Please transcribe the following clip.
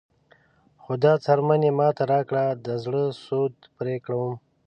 خو دا څرمن یې ماته راکړه د زړه سود پرې کوم.